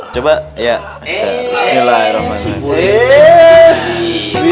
coba ya bismillahirrohmanirrohim